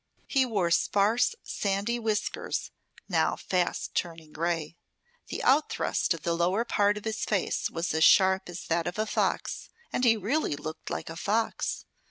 He wore sparse, sandy whiskers, now fast turning gray. The outthrust of the lower part of his face was as sharp as that of a fox, and he really looked like a fox.